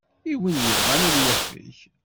I win yebɣan ad yafeg.